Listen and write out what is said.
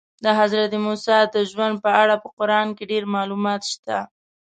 د حضرت موسی د ژوند په اړه په قرآن کې ډېر معلومات شته.